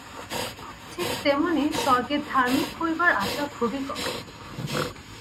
ঠিক তেমনি স্বর্গে ধার্মিক হইবার আশা খুবই কম।